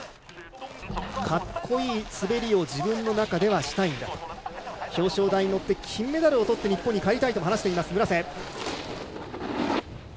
かっこいい滑りを自分の中ではしたいんだと、表彰台に乗って金メダルをとって日本へ帰りたいとも話しています、村瀬。